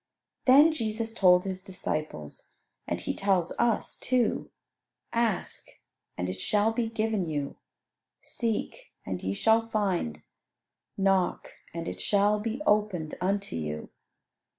Then Jesus told His disciples, and He tells us too, "Ask, and it shall be given you; seek, and ye shall find; knock, and it shall be opened unto you."